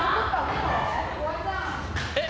えっ？